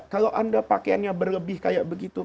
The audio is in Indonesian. kalau anda pakaiannya berlebih kayak begitu